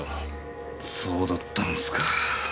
そうだったんすか。